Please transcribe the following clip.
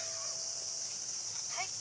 はい。